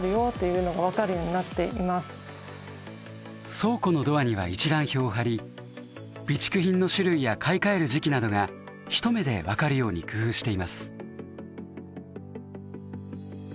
倉庫のドアには一覧表を貼り備蓄品の種類や買い替える時期などが一目で分かるように工夫しています。